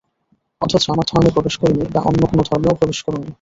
অথচ আমার ধর্মে প্রবেশ করনি বা অন্য কোন ধর্মেও প্রবেশ করনি?